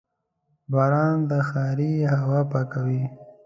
• باران د ښاري هوا پاکوي.